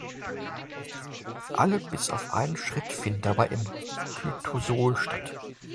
Alle bis auf einen Schritt finden dabei im Cytosol statt.